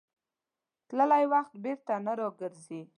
تللی وخت بېرته نه راګرځي.